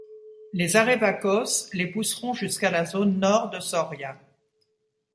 Les arévacos les pousseront jusqu'à la zone nord de Soria.